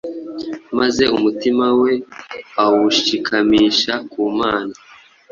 maze umutima we awushikamisha ku Mana,